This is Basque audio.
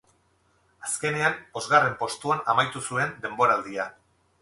Azkenean bosgarren postuan amaitu zuen denboraldia.